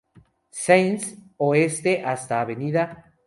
Sáenz Oeste hasta Av.